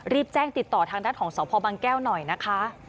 รีบแจ้งติดต่อทางด้านของสพบางแก้วหน่อยนะคะ